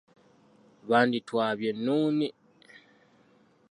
Banditwabya ennuuni.